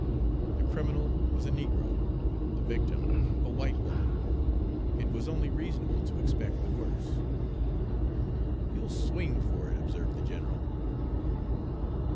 The criminal was a negro, the victim a white woman; it was only reasonable to expect the worst. "He'll swing for it," observed the general.